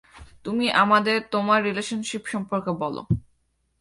তুমি আমাদের তোমার রিলেশনশীপ সম্পর্কে বল।